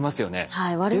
はい。